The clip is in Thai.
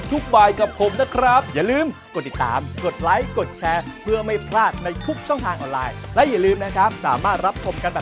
สวัสดีครับ